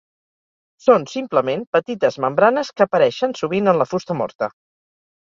Són simplement petites membranes que apareixen sovint en la fusta morta.